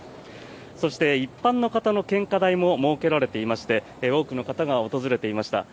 そして一般の方の献花台も設けられていまして多くの方が訪れていました。